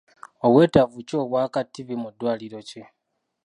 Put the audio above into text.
Obwetaavu ki obwa ka Ttivvi mu ddwaliro ki?